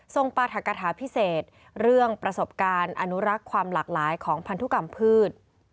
ปราธกฐาพิเศษเรื่องประสบการณ์อนุรักษ์ความหลากหลายของพันธุกรรมพืช